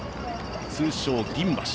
通称、銀橋。